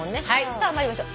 さあ参りましょう。